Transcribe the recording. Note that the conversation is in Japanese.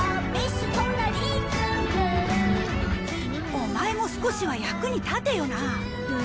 オマエも少しは役に立てよな。